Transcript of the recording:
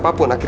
aku juga bemar